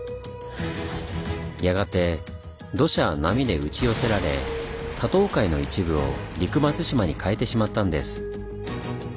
やがて土砂は波で打ち寄せられ多島海の一部を「陸松島」に変えてしまったんです。